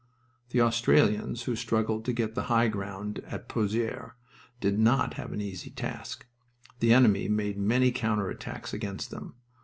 The Australians who struggled to get the high ground at Pozieres did not have an easy task. The enemy made many counter attacks against them.